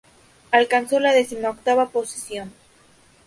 Alcanzó la decimoctava posición.